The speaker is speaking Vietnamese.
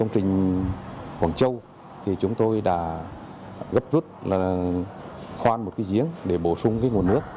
công trình quảng châu thì chúng tôi đã gấp rút là khoan một cái giếng để bổ sung cái nguồn nước